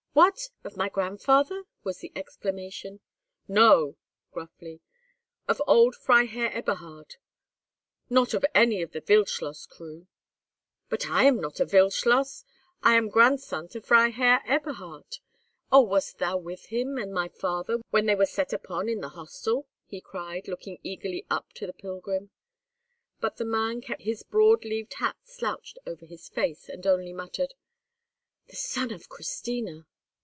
"What!—of my grandfather!" was the exclamation. "No!" gruffly. "Of old Freiherr Eberhard. Not of any of the Wildschloss crew." "But I am not a Wildschloss! I am grandson to Freiherr Eberhard! Oh, wast thou with him and my father when they were set upon in the hostel?" he cried, looking eagerly up to the pilgrim; but the man kept his broad leaved hat slouched over his face, and only muttered, "The son of Christina!"